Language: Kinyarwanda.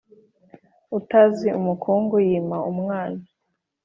Utazi umukungu yima umwana